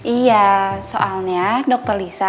iya soalnya dokter lisa